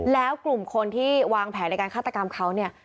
แล้วกลุ่มคนที่วางแผนในการฆาตกรรมเขาเนี่ย